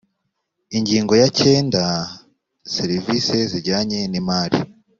ingingo ya cyenda serivisi zijyanye n’imari